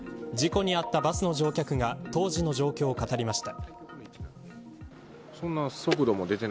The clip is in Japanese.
事故に遭ったバスの乗客が当時の状況を語りました。